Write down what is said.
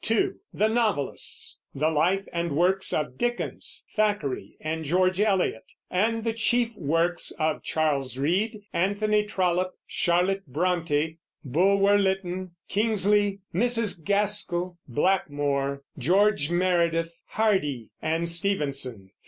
(2) The Novelists; the life and works of Dickens, Thackeray, and George Eliot; and the chief works of Charles Reade, Anthony Trollope, Charlotte Brontë, Bulwer Lytton, Kingsley, Mrs. Gaskell, Blackmore, George Meredith, Hardy, and Stevenson.